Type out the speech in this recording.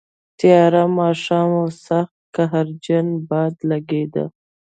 تیاره ماښام و، سخت قهرجن باد لګېده.